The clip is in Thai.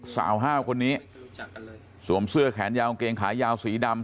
ห้าวคนนี้สวมเสื้อแขนยาวกางเกงขายาวสีดำ